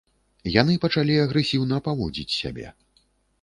Яны пачалі агрэсіўна паводзіць сябе.